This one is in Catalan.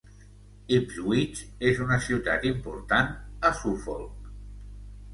Ipswich és una ciutat important a Suffolk.